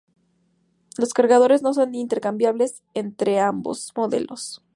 Los cargadores no son intercambiables entre ambos modelos.